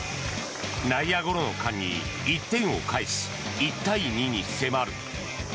内野ゴロの間に１点を返し１対２に迫る。